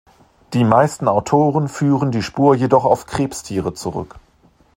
Die meisten Autoren führen die Spur jedoch auf Krebstiere zurück.